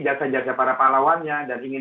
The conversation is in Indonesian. jasa jasa para pahlawannya dan ingin